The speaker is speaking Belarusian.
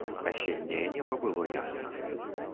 Асенняе неба было ясна.